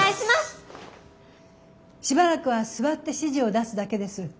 しばらくは座って指示を出すだけです。